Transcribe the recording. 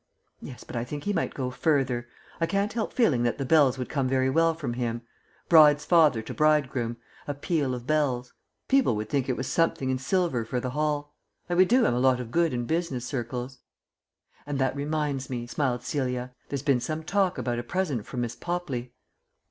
"Yes, but I think he might go further. I can't help feeling that the bells would come very well from him. 'Bride's father to bridegroom A peal of bells.' People would think it was something in silver for the hall. It would do him a lot of good in business circles." "And that reminds me," smiled Celia, "there's been some talk about a present from Miss Popley."